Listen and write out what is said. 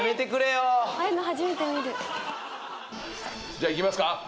じゃあいきますか。